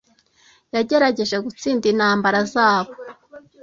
yagerageje gutsinda intambara zabo